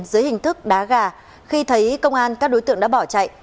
dưới hình thức đá gà khi thấy công an các đối tượng đã bỏ chạy